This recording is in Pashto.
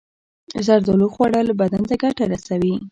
زردالو خوړل بدن ته ګټه رسوي.